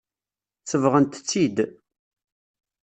Sebɣent-tt-id.